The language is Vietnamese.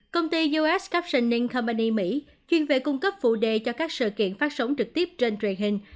công ty us captioning company mỹ chuyên về cung cấp phụ đề cho các sự kiện phát sóng trực tiếp trên truyền hình